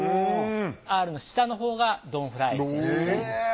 Ｒの下のほうがドン・フライ選手ですね。